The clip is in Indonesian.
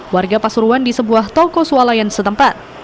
warga pasuruan di sebuah toko sualayan setempat